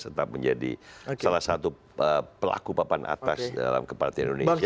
tetap menjadi salah satu pelaku papan atas dalam kepartian indonesia